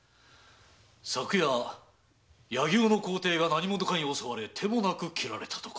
昨夜柳生の高弟が何者かに襲われ手もなく斬られたとか。